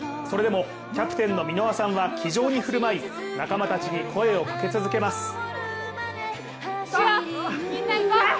それでもキャプテンの箕輪さんは気丈に振る舞い仲間たちに声をかけ続けます。